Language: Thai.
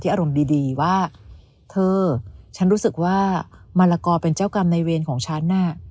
อารมณ์ดีว่าเธอฉันรู้สึกว่ามะละกอเป็นเจ้ากรรมในเวรของฉันน่ะ